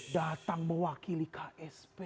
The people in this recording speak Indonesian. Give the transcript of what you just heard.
datang mewakili ksp